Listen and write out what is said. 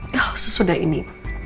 kalau sesudah ini